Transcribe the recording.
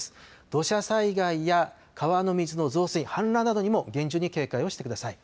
土砂災害や川の水の増水、氾濫などにも厳重に警戒をしてください。